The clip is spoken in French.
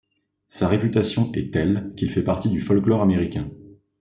Sa réputation est telle qu'il fait partie du folklore américain.